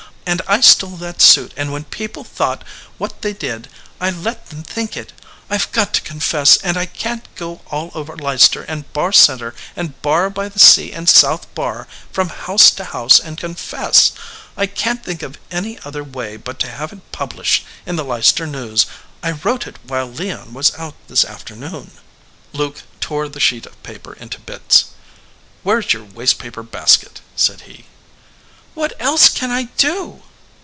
And I stole that suit, and when people thought what they did I let them think it. I ve got to confess, and I can t go all over Leicester and Barr Center and Barr by the Sea and South Barr, from house to house, and confess. I can t think of any other way but to have it pub lished in the Leicester News. I wrote it while Leon was out this afternoon." Luke tore the sheet of paper into bits. "Where s your waste paper basket ?" said he. "What else can I do?"